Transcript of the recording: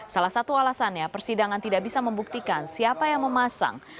salah satu alasannya persidangan tidak bisa membuktikan siapa yang memasang